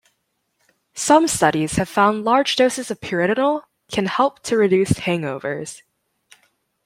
Some studies have found large doses of Pyritinol can help to reduce hangovers.